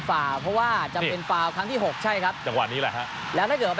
ฝ่าเพราะว่าจะเป็นฟาวครั้งที่หกใช่ครับจังหวะนี้แหละฮะแล้วถ้าเกิดว่า